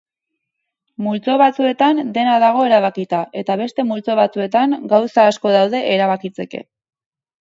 Multzo batzuetan dena dago erabakita eta beste multzo batzuetan gauza asko daude erabakitzeke.